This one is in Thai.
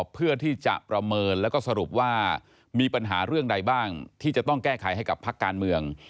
เพื่อที่จะประเมินแล้วก็สรุปว่ามีปัญหาเรื่องใดบ้างที่จะต้องแก้ไขให้กับพักการเมือง